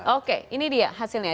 oke ini dia hasilnya